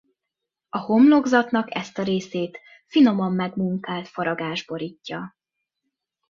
A homlokzatnak ezt a részét finoman megmunkált faragás borítja.